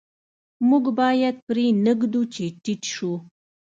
موږ باید پرې نه ږدو چې ټیټ شو.